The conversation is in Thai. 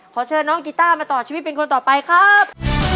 ขอเชิญน้องกีต้ามาต่อชีวิตเป็นคนต่อไปครับ